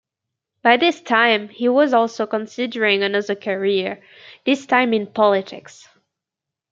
By this time he was also considering another career, this time in politics.